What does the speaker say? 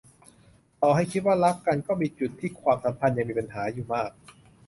ต่อให้คิดว่ารักกันก็มีจุดที่ความสัมพันธ์ยังมีปัญหาอยู่มาก